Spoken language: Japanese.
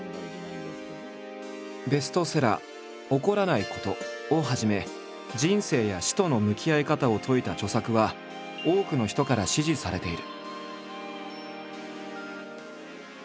ベストセラー「怒らないこと」をはじめ人生や死との向き合い方を説いた著作は多くの人から支持されている。